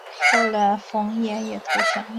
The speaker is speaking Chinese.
后来冯衍也投降了。